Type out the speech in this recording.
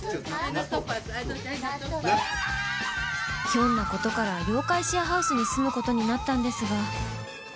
ひょんな事から妖怪シェアハウスに住む事になったんですが